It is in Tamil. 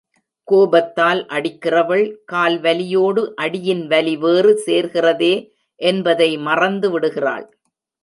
கோபத்தால் அடிக்கிறவள், கால் வலியோடு அடியின் வலி வேறு சேர்கிறதே என்பதை மறந்து விடுகிறாள்.